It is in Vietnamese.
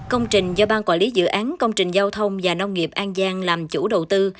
công trình do ban quản lý dự án công trình giao thông và nông nghiệp an giang làm chủ đầu tư